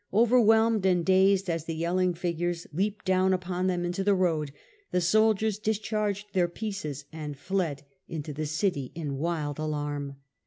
Overwhelmed and dazed as the yelling figures leaped down upon them into the road, the soldiers discharged their pieces and fled into the city in wild alarm.